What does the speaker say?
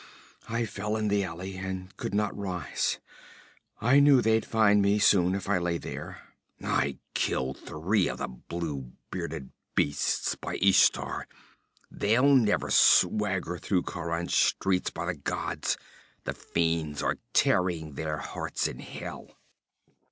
'I fell in the alley and could not rise. I knew they'd find me soon if I lay there I killed three of the blue bearded beasts, by Ishtar! They'll never swagger through Khauran's streets, by the gods! The fiends are tearing their hearts in hell!'